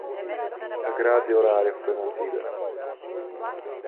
A grade horária foi mantida